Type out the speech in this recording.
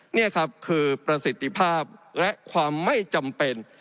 นี่ครับคือประสิทธิภาพและความไม่จำเป็น